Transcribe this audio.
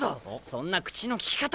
そんな口のきき方。